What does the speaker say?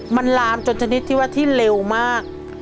มันลามจนชนิดที่ว่าที่เร็วมาก